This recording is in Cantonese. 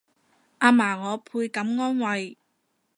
阿嫲我倍感安慰